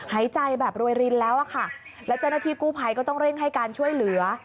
หายใจแบบรวยรินแล้วอะค่ะแล้วเจ้าหน้าที่กู้ภัยก็ต้องเร่งให้การช่วยเหลือ